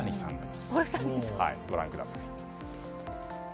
ご覧ください。